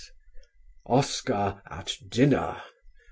Oscar at Dinner!!!